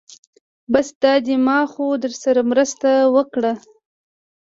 بس دا دی ما خو درسره مرسته وکړه.